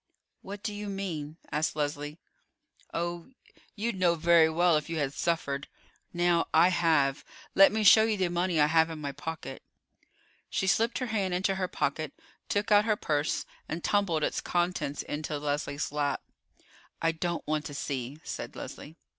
"What do you mean?" asked Leslie. "Oh, you'd know very well if you had suffered. Now, I have. Let me show you the money I have in my pocket." She slipped her hand into her pocket, took out her purse, and tumbled its contents into Leslie's lap. "I don't want to see," said Leslie.